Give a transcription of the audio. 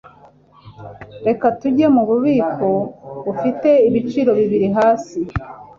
Reka tujye mububiko bufite ibiciro biri hasi.